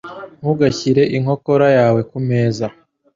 Ntugashyire inkokora yawe kumeza.